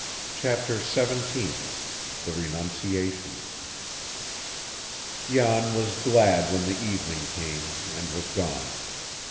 CHAPTER XVII THE RENUNCIATION Jan was glad when the evening came, and was gone.